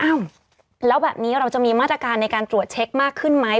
อ้าวแล้วแบบนี้เราจะมีมาตรการในการตรวจเช็คมากขึ้นไหม